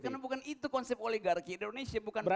ya karena bukan itu konsep oligarki di indonesia bukan partai